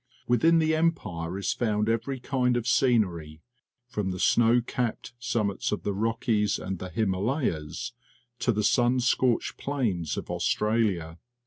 Within the Empire is found every kind of scenery, from the snow capped summits of the Rockies and the Himalayas to the sun scorched plains of Australia.